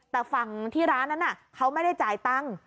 แต่ฝั่งที่ร้านนั้นเขาไม่ได้จ่ายตังค์